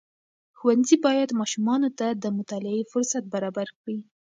ښوونځي باید ماشومانو ته د مطالعې فرصت برابر کړي.